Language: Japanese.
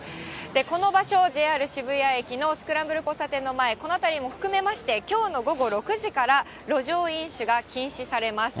この場所、ＪＲ渋谷駅のスクランブル交差点の前、この辺りも含めまして、きょうの午後６時から路上飲酒が禁止されます。